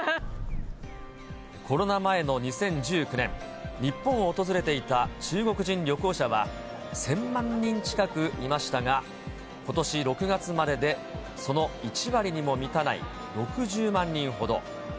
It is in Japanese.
コロナ前の２０１９年、日本を訪れていた中国人旅行者は１０００万人近くいましたが、ことし６月まででその１割にも満たない６０万人ほど。